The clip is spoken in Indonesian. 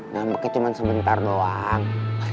ngambeknya cuma sebentar doang